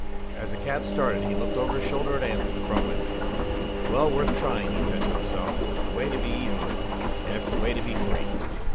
As the cab started he looked over his shoulder at Anne through the front window. "Well worth trying," he said to himself. "It's the way to be even with her. And it's the way to be free."